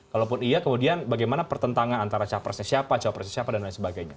kalaupun iya kemudian bagaimana pertentangan antara capresnya siapa cawapresnya siapa dan lain sebagainya